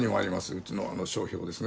うちの商標ですね